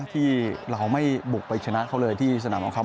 ที่เราไม่บุกไปชนะเขาเลยที่สนามของเขา